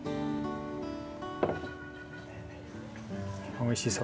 おいしそう。